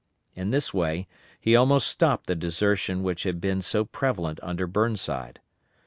In this way he almost stopped the desertion which had been so prevalent under Burnside.